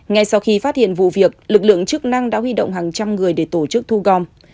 ngay sau khi phát hiện vụ việc lực lượng chức năng đã huy động hàng trăm người để tổ chức thu gom